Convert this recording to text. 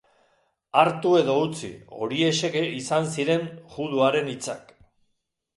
Hartu edo utzi, horiexek izan ziren juduaren hitzak.